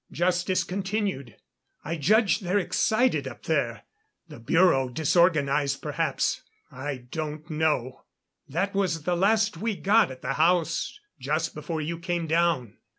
Just discontinued. I judge they're excited up there the Bureau disorganized perhaps I don't know. That was the last we got at the house, just before you came down.